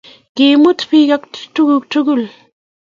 Kiimut bik ak tuguk tugul